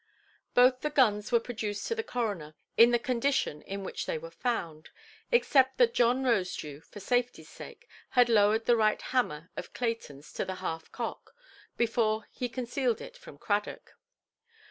Both the guns were produced to the coroner, in the condition in which they were found, except that John Rosedew, for safetyʼs sake, had lowered the right hammer of Claytonʼs to the half–cock, before he concealed it from Cradock.